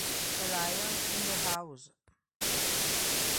A Lion in the House